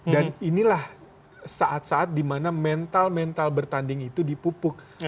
dan inilah saat saat dimana mental mental bertanding itu dipupuk